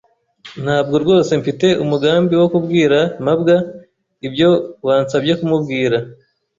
Ntabwo rwose mfite umugambi wo kubwira mabwa ibyo wansabye kumubwira.